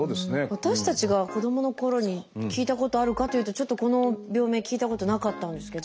私たちが子どものころに聞いたことあるかっていうとちょっとこの病名聞いたことなかったんですけど。